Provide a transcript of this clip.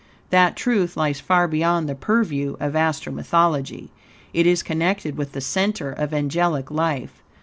That truth lies far beyond the purview of Astro Mythology. It is connected with the center of angelic life.